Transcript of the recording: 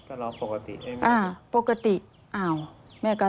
ก็ร้องปกติอย่างนั้นเหรอครับ